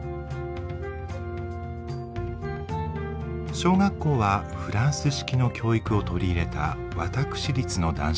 小学校はフランス式の教育を取り入れた私立の男子校。